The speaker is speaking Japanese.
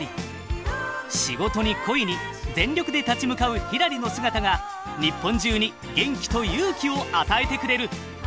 仕事に恋に全力で立ち向かうひらりの姿が日本中に元気と勇気を与えてくれる！